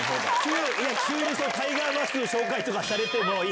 急にタイガーマスクの紹介とかされても。